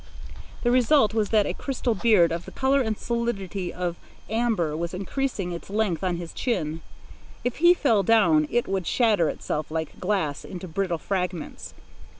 The result was that a crystal beard of the colour and solidity of amber was increasing its length on his chin. If he fell down it would shatter itself, like glass, into brittle fragments.